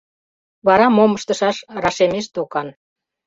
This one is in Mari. Вара мом ыштышаш рашемеш докан.